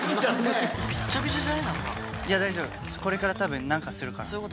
これから多分何かするから。